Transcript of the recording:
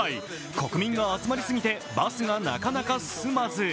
国民が集まりすぎてバスがなかなか進まず。